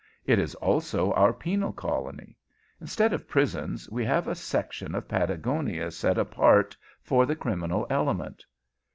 It is also our penal colony. Instead of prisons, we have a section of Patagonia set apart for the criminal element."